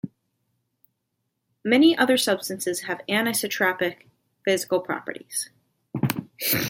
Many other substances have anisotropic physical properties.